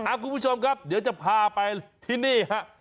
คุณผู้ชมครับเดี๋ยวจะพาไปที่นี่ฮะ